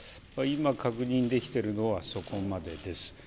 今、確認できているのはそこまでです。